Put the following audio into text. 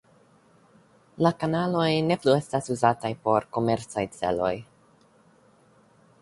La kanaloj ne plu estas uzataj por komercaj celoj.